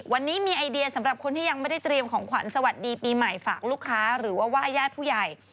วันนี้มีไอเดียสำหรับคนที่ยังไม่ได้เตรียมของขวัญสวัสดีปีใหม่ฝากลูกค้าหรือว่าว่าญาติผู้ใหญ่